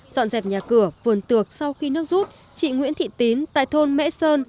dọn dẹp nhà cửa vườn tược sau khi nước rút chị nguyễn thị tín tại thôn mễ sơn